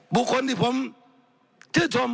บุคคลที่ผมชื่นชม